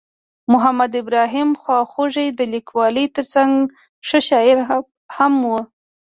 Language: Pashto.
محمد ابراهیم خواخوږی د لیکوالۍ ترڅنګ ښه شاعر هم ؤ.